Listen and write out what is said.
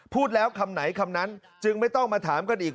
พูดแล้วคำไหนคำนั้นจึงไม่ต้องมาถามกันอีก